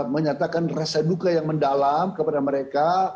menyatakan rasa duka yang mendalam kepada mereka